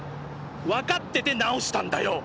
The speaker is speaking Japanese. わかってて直したんだよ。